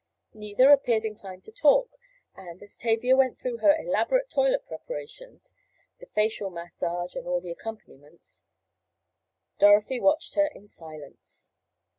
Neither appeared inclined to talk, and, as Tavia went through her elaborate toilet preparations (the facial massage and all the accompaniments) Dorothy watched her in silence.